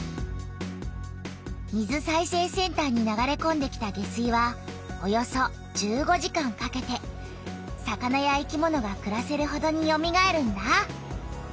水再生センターに流れこんできた下水はおよそ１５時間かけて魚や生きものがくらせるほどによみがえるんだ。